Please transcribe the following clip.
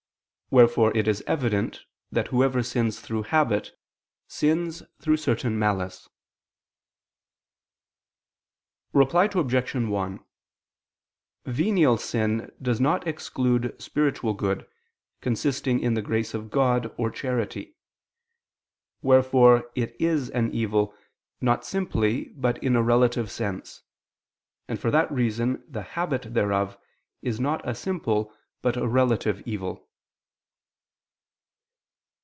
Wherefore it is evident that whoever sins through habit, sins through certain malice. Reply Obj. 1: Venial sin does not exclude spiritual good, consisting in the grace of God or charity. Wherefore it is an evil, not simply, but in a relative sense: and for that reason the habit thereof is not a simple but a relative evil.